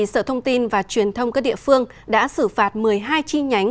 sở thông tin và truyền thông các địa phương đã xử phạt một mươi hai chi nhánh